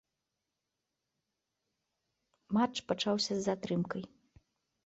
Матч пачаўся з затрымкай.